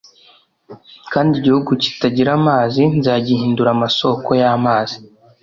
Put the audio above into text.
kandi igihugu kitagira amazi nzagihindura amasoko y’amazi